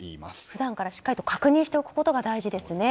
普段からしっかりと確認しておくことが大事ですね。